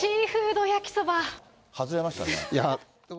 外れましたね。